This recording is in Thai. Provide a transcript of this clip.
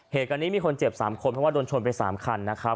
เหตุการณ์นี้มีคนเจ็บ๓คนเพราะว่าโดนชนไป๓คันนะครับ